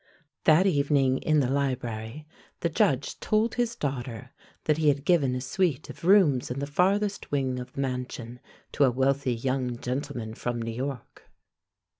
That evening in the library the Judge told his daughter that he had given a suit of rooms in the farthest wing of the mansion to a wealthy young gentleman from New York.